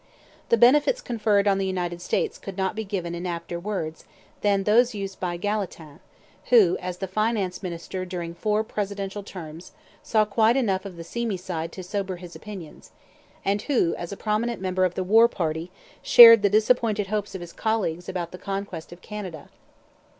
The benefits conferred on the United States could not be given in apter words than those used by Gallatin, who, as the finance minister during four presidential terms, saw quite enough of the seamy side to sober his opinions, and who, as a prominent member of the war party, shared the disappointed hopes of his colleagues about the conquest of Canada.